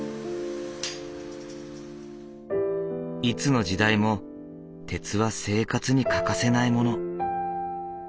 いつの時代も鉄は生活に欠かせないもの。